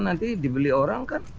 nanti dibeli orang kan